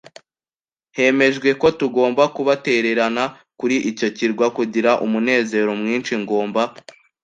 hemejwe ko tugomba kubatererana kuri icyo kirwa - kugira umunezero mwinshi, ngomba